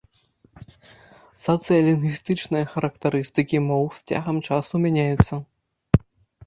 Сацыялінгвістычныя характарыстыкі моў з цягам часу мяняюцца.